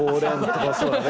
そうだね。